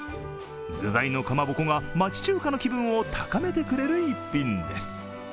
具材のかまぼこが町中華の気分を高めてくれる一品です。